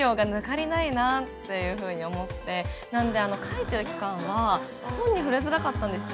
なので書いてる期間は本に触れづらかったんですよ。